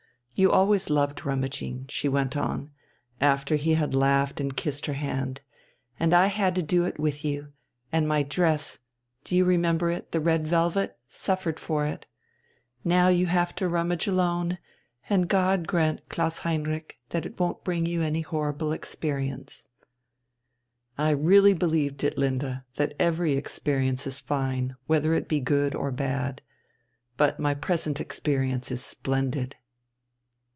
You always loved rummaging," she went on, after he had laughed and kissed her hand, "and I had to do it with you, and my dress (do you remember it the red velvet?) suffered for it. Now you have to rummage alone, and God grant, Klaus Heinrich, that it won't bring you any horrible experience." "I really believe, Ditlinde, that every experience is fine, whether it be good or bad. But my present experience is splendid."